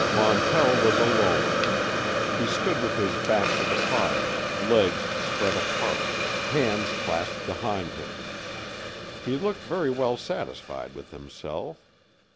Montell was alone. He stood with his back to the fire, legs spread apart, hands clasped behind him. He looked very well satisfied with himself.